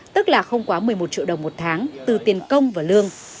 tức là không quá một mươi một triệu đồng một tháng từ tiền công và lương